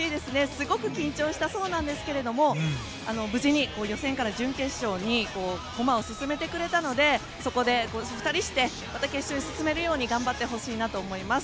すごく緊張したそうですが無事に予選から準決勝に駒を進めてくれたのでそこで２人してまた決勝に進めるように頑張ってほしいなと思います。